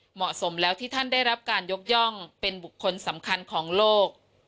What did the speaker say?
เหมาะสมแล้วที่ท่านได้รับการยกย่องเป็นบุคคลสำคัญของโลก